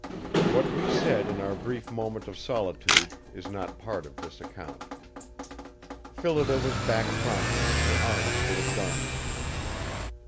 What we said in our brief moment of solitude is not part of this account. Phillida was back promptly, her arms full of garments.